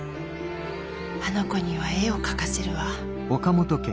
あの子には絵を描かせるわ。